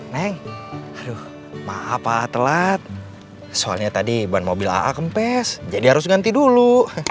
neng aduh maaf telat soalnya tadi ban mobil aa kempes jadi harus ganti dulu